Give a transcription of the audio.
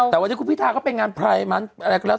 แต่วันนี้คุณพิธาเข้าไปงานภัยอะไรก็แล้ว